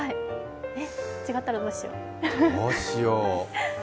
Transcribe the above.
違ったらどうしよう。